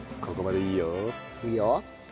ここまでいいよ。